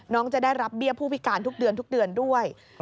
น้องจะได้รับเบี้ยผู้พิการทุกเดือนด้วย